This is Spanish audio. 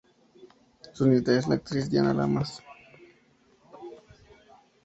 Su nieta es la actriz Diana Lamas.